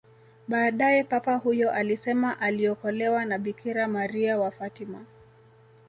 Baadae Papa huyo alisema aliokolewa na Bikira Maria wa Fatima